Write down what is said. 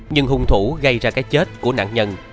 nhưng hung thủ gây ra cái chết của nạn nhân